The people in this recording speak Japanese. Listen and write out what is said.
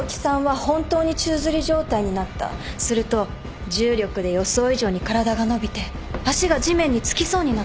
すると重力で予想以上に体が伸びて足が地面に着きそうになった。